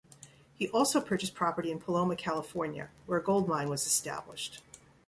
He also purchased property in Paloma, California, where a gold mine was established.